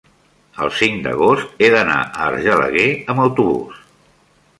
el cinc d'agost he d'anar a Argelaguer amb autobús.